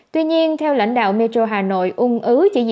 tuy nhiên theo lãnh đạo metro hà nội